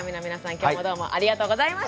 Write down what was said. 今日もどうもありがとうございました！